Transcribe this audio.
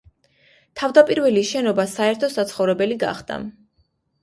თავდაპირველი შენობა საერთო საცხოვრებელი გახდა.